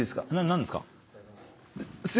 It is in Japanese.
何ですか？